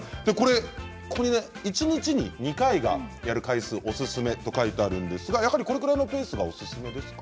一日に２回がやる回数おすすめと書いてあるんですがこのぐらいのペースがおすすめですか。